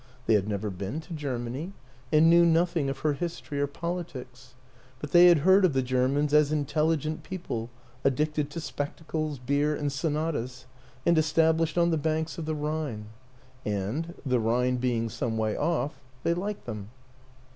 They had never been to Germany and knew nothing of her history or politics; but they had heard of the Germans as intelligent people addicted to spectacles, beer and sonatas, and established on the banks of the Rhine. And the Rhine being some way off they liked them.